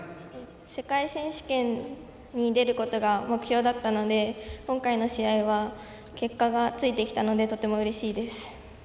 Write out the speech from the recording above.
世界選手権に出ることが目標だったので、今回の試合は結果がついてきたのでとてもうれしいです。